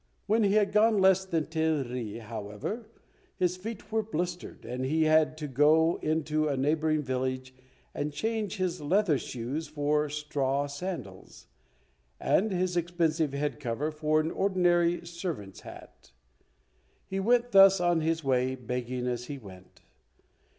When he had gone less than ten lee, however, his feet were blistered, and he had to go into a neighbouring village and change his leather shoes for straw sandals, and his expensive head cover for an ordinary servant's hat. He went thus on his way, begging as he went.